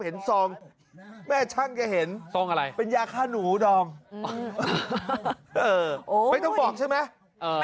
ซองแม่ช่างแกเห็นซองอะไรเป็นยาฆ่าหนูดอมไม่ต้องบอกใช่ไหม